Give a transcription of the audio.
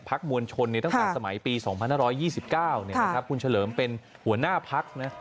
ภักดิ์มวลชนตั้งแต่สมัยปี๒๕๒๙นะครับคุณเฉลิมเป็นหัวหน้าภักดิ์นะ